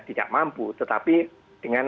tidak mampu tetapi dengan